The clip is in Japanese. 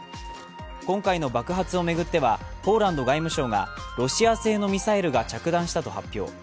今回の爆発を巡ってはポーランド外務省がロシア製のミサイルが着弾したと発表。